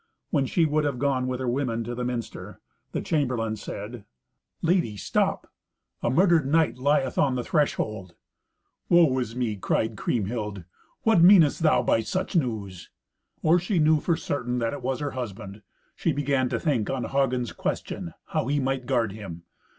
When she would have gone with her women to the minster, the chamberlain said, "Lady, stop! A murdered knight lieth on the threshold." "Woe is me!" cried Kriemhild. "What meanest thou by such news?" Or she knew for certain that it was her husband, she began to think on Hagen's question, how he might guard him.